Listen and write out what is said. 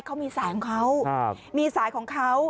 เขามีสายของเขามีสายของเขา